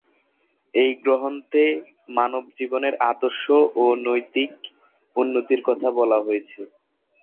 এই গ্রন্থে মানব জীবনের আদর্শ ও নৈতিক উন্নতির কথা বলা হয়েছে।